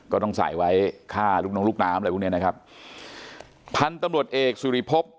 ก็ต้องใส่ไว้ฆ่าลูกน้องลูกน้ำอะไรพวกเนี้ยนะครับพันธุ์ตำรวจเอกสุริพบ